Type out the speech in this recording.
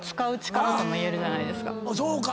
そうか。